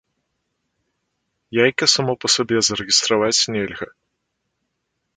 Яйка само па сабе зарэгістраваць нельга.